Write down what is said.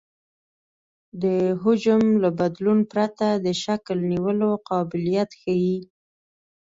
د حجم له بدلون پرته د شکل نیولو قابلیت ښیي